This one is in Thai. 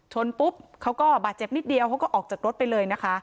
ปุ๊บเขาก็บาดเจ็บนิดเดียวเขาก็ออกจากรถไปเลยนะคะ